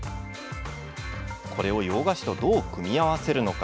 これを洋菓子とどう組み合わせるのか。